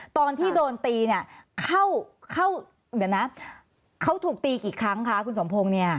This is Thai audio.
ตอนที่โดนตีเนี่ยเขาถูกตีกี่ครั้งคะคุณสมพงษ์เนี่ย